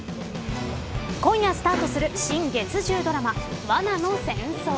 今夜スタートする新月１０ドラマ罠の戦争。